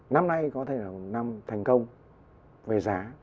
năm nay có thể là năm thành công về giá